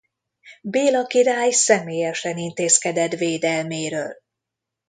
Béla király személyesen intézkedett védelméről.